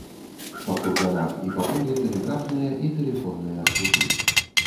Па курганах і па полі тэлеграфныя і тэлефонныя слупы.